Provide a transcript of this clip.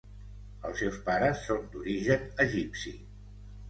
Els seus pares són d'origen egipci.